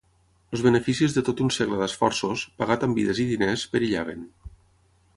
Els beneficis de tot un segle d'esforços, pagat amb vides i diners, perillaven.